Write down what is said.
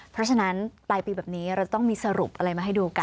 เพราะฉะนั้นปลายปีแบบนี้เราต้องมีสรุปอะไรมาให้ดูกัน